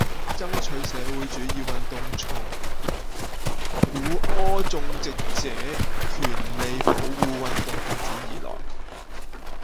争取社会主义运动从古柯种植者权利保护运动发展而来。